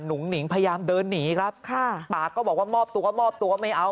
หงิงพยายามเดินหนีครับค่ะปากก็บอกว่ามอบตัวมอบตัวไม่เอา